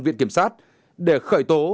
viện kiểm sát để khởi tố